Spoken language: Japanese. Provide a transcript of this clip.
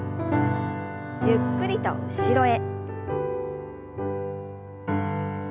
ゆっくりと後ろへ。